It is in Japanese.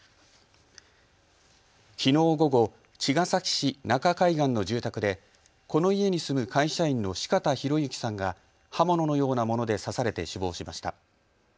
きのう午後、茅ヶ崎市中海岸の住宅でこの家に住む会社員の四方洋行さんが刃物のようなもので刺されて死亡しました。